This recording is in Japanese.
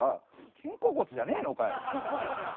肩甲骨じゃねえのかよ。